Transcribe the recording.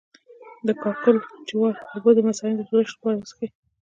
د کاکل جوار اوبه د مثانې د سوزش لپاره وڅښئ